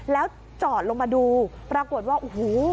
แล้วจอดลงมาดูปรากฏว่าโอ้โห